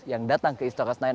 yang datang ke istora senayan